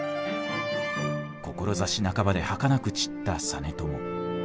志半ばではかなく散った実朝。